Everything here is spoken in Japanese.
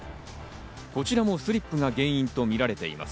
こちらもスリップが原因とみられています。